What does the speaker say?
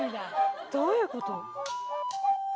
どういうこと？